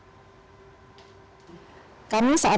kami saat ini terus melakukan penyelenggaraan